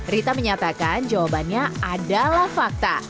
rita menyatakan jawabannya adalah fakta